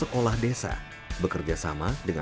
untuk mengesahkan bangsa yang ber spin atas rép device